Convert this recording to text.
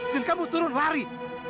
dan kamu turun lari